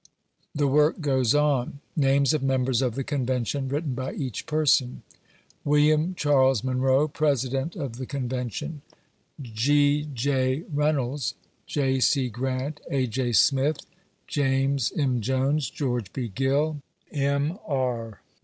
THE WORK GOES ON. 13 NAMES OF MEMBERS OF THE CONTENTION, WBITTEN BY EACH PERSON. William Charles Munroe, President of the Convention ; G. J ynoids, J. C. Grant, A. J. Smith, James M. Jones, George B. Gill, M. ~.